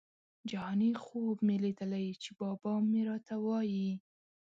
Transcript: جهاني خوب مي لیدلی چي بابا مي راته وايی